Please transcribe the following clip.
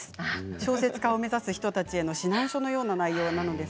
小説化を目指す人たちの指南書のような本です。